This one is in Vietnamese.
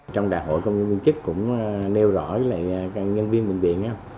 trong đại hội công nhân viên chức cũng nêu rõ với các nhân viên bệnh viện